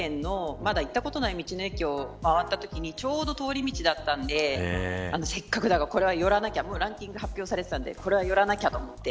宮城県のまだ行ったことのない道の駅を回ったときにちょうど通り道だったんでせっかくだからこれは寄らなきゃもうランキング発表されてたんでこれは寄らなきゃと思って